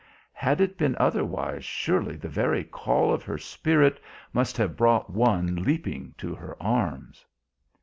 Had it been otherwise surely the very call of her spirit must have brought one leaping to her arms.